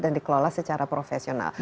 dan dikelola secara profesional